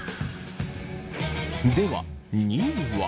では２位は。